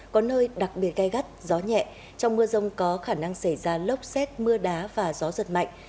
có nơi đặc biệt gai gắt gió nhẹ trong mưa rông có khả năng xảy ra lốc xét mưa đá và gió giật mạnh